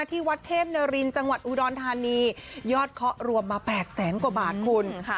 ที่วัดเทพนรินจังหวัดอุดรธานียอดเคาะรวมมา๘แสนกว่าบาทคุณ